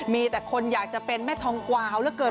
มีแต่คนอยากจะเป็นแม่ทองกวาวเหลือเกิน